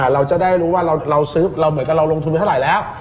เราจะได้รู้ว่าเราซื้อเราเหมือนกับเราลงทุนไปเท่าไหร่แล้ว